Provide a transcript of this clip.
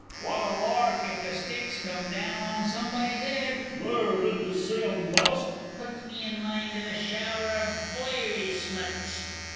What a lark if the sticks come down on somebody's 'ed! There, didyer see 'em bust? Puts me in mind of a shower o' foiry smuts.